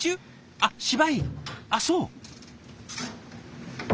あっ芝居あっそう。